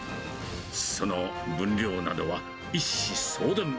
その分量などは一子相伝。